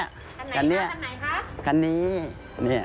รถของคุณพี่สอนสัก